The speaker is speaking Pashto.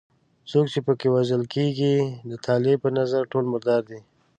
څوک چې په کې وژل کېږي د طالب په نظر ټول مردار دي.